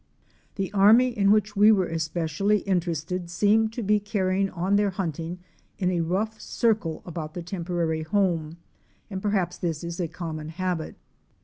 The army in which we were especially interested seemed to be carrying on their hunting in a rough circle about the temporary home, and perhaps this is a common habit.